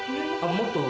もっと上？